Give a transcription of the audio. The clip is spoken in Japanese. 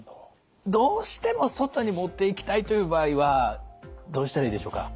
どうしても外に持っていきたいという場合はどうしたらいいでしょうか？